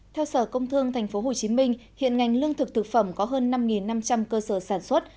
theo sở công thương tp hcm hiện ngành lương thực thực phẩm có hơn năm năm trăm linh cơ sở sản xuất